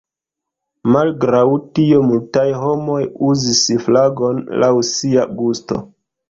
Malgraŭ tio multaj homoj uzis flagon laŭ sia gusto.